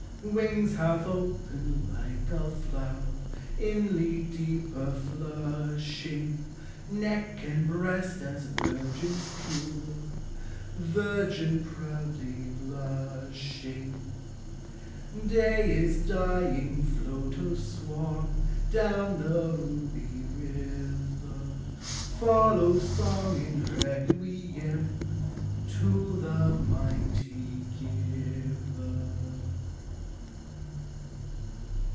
Wings half open, like a flower Inly deeper (lushing, Neck and breast as virgin's pure,— Virgin proudly blushing. Day is dying! Float, O swan, Down the ruby river ; Follow, song, in requiem To the mighty Giver.